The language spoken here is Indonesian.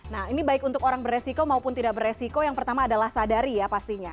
nah ini baik untuk orang beresiko maupun tidak beresiko yang pertama adalah sadari ya pastinya